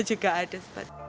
juga ada seperti itu